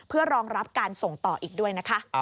เพื่อรองรับการส่งต่ออีกด้วยนะคะ